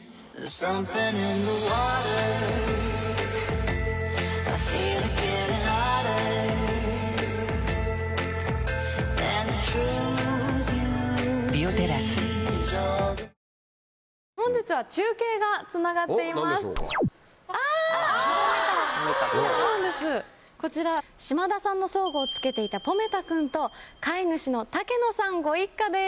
そうなんですこちら島田さんの装具を着けていたポメ太くんと飼い主の竹野さんご一家です。